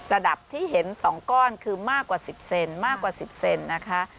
ระดับที่เห็น๒ก้อนคือมากกว่า๑๐เซนมากกว่า๑๐เซนนะคะ